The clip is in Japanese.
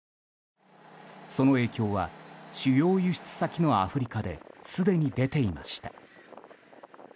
その影響は、主要輸出先のアフリカですでに出ていました。